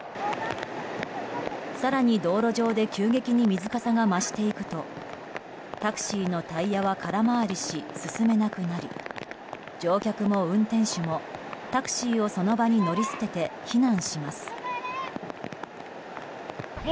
更に道路上で急激に水かさが増していくとタクシーのタイヤは空回りし進めなくなり乗客も運転手もタクシーをその場に乗り捨てて避難します。